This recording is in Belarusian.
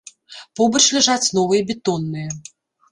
Побач ляжаць новыя бетонныя.